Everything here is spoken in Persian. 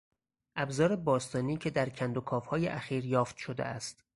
ابزار باستانی که در کندوکاوهای اخیر یافت شده است